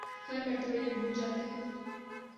ہر مرتبہ یہ بھول جاتے ہیں